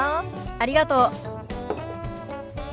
ありがとう。